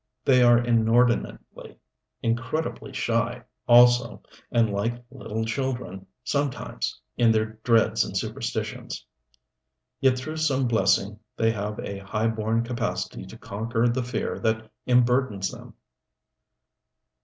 They are inordinately, incredibly shy, also, and like little children, sometimes, in their dreads and superstitions. Yet through some blessing they have a high born capacity to conquer the fear that emburdens them.